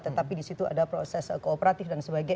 tetapi di situ ada proses kooperatif dan sebagainya